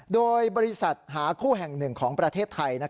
โดยบริษัทหาคู่แห่งหนึ่งของประเทศไทย